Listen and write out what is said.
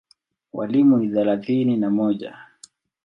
Walimu ni thelathini na mmoja.